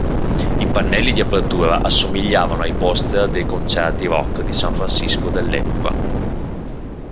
I pannelli di apertura assomigliavano ai poster dei concerti rock di San Francisco dell'epoca.